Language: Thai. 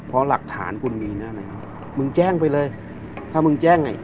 เพราะหลักฐานคุณมีแน่แล้วมึงแจ้งไปเลยถ้ามึงแจ้งไง